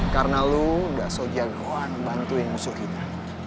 karena lo udah sok jagoan bantuin musuh kita